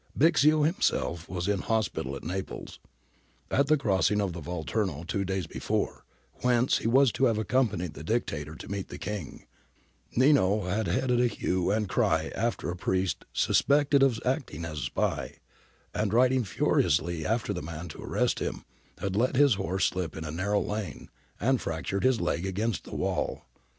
Bixio himself was in hospital at Naples. At the crossing of the Volturno two days before, whence he was to have accompanied the Dictator 273 18 274 GARIBALDI AND THE MAKING OF ITALY to meet the King, Nino had headed a hue and cry after a priest suspected of acting as spy, and riding furiously after the man to arrest him had let his horse slip in a narrow lane, and fractured his leg against a wall.